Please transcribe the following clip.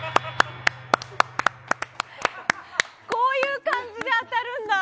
こういう感じで当たるんだ！